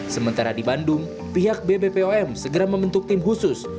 sementara di bandung pihak bbpom segera membentuk tim khusus